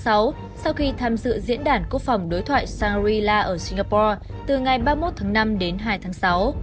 sau khi tham dự diễn đàn quốc phòng đối thoại shangri la ở singapore từ ngày ba mươi một tháng năm đến hai tháng sáu